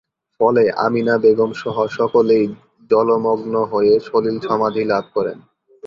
ফলে আমিনা বেগমসহ সকলেই জলমগ্ন হয়ে সলিল-সমাধি লাভ করেন।